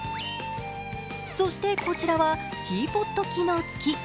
そしてこちらはティーポット機能付き。